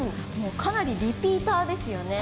かなりリピーターですよね。